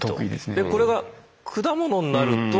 でこれが果物になると。